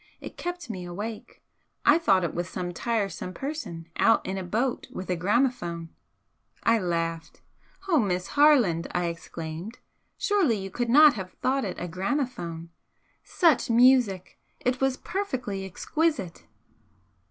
It kept me awake. I thought it was some tiresome person out in a boat with a gramophone." I laughed. "Oh, Miss Harland!" I exclaimed "Surely you could not have thought it a gramophone! Such music! It was perfectly exquisite!"